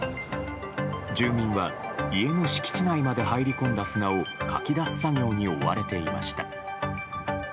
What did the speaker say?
住民は家の敷地内まで入り込んだ砂をかき出す作業に追われていました。